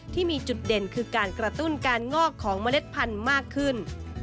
ที่มีจุดเด่นคือการกระตุ้นการงอกของเมล็ดพันธุ์มากขึ้น